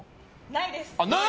ないです。